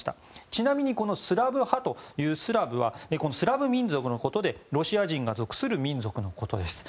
ちなみにスラブ派のスラブはスラブ民族のことでロシア人が属する民族です。